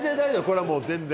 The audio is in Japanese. これはもう全然。